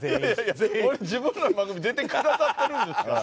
自分らの番組出てくださってるんですから。